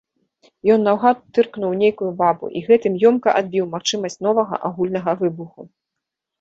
Ён наўгад тыркнуў у нейкую бабу і гэтым ёмка адбіў магчымасць новага агульнага выбуху.